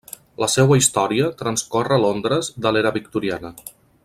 La seua història transcorre al Londres de l'era victoriana.